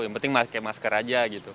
yang penting pakai masker aja gitu